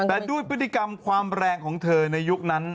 แต่ด้วยพฤติกรรมความแรงของเธอในยุคนั้น